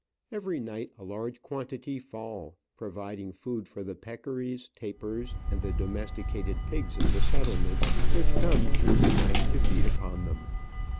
Every night a large quantity fall, providing food for the peccaries, tapirs, and the domesticated pigs of the settlement, which come through the night to feed upon them.